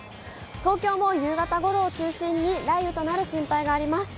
東京も夕方ごろを中心に、雷雨となる心配があります。